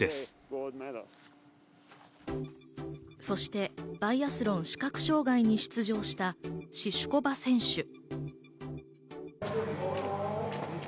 そしてバイアスロン視覚障害に出場したシシュコバ選手。